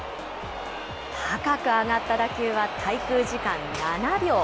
高く上がった打球は滞空時間７秒。